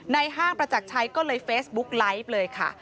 ห้างประจักรชัยก็เลยเฟซบุ๊กไลฟ์เลยค่ะ